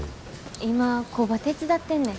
今工場手伝ってんねん。